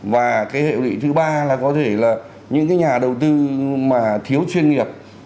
và cái hệ lụy thứ ba là có thể là những cái nhà đầu tư mà thiếu chuyên nghiệp